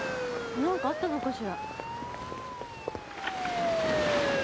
何かあったのかしら？